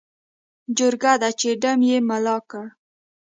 جرګه ده چې ډم یې ملا کړ.